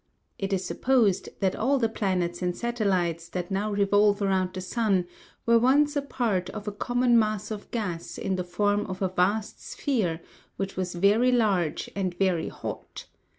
It is supposed that all the planets and satellites that now revolve around the sun were once a part of a common mass of gas in the form of a vast sphere which was very large and very hot.